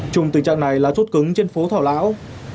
trùng tình trạng này là chốt cứng trên phố thảo lão